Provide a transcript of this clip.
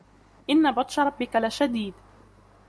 إن بطش ربك لشديد